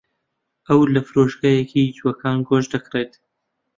ئەو لە فرۆشگەیەکی جووەکان گۆشت دەکڕێت.